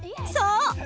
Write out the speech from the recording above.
そう！